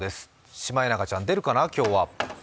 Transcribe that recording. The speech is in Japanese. シマエナガちゃん、出るかな今日は。